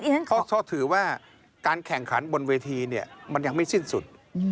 เพราะเขาถือว่าการแข่งขันบนเวทีเนี่ยมันยังไม่สิ้นสุด